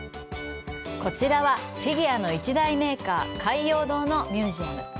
こちらは、フィギュアの一大メーカー「海洋堂」のミュージアム。